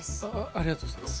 ありがとうございます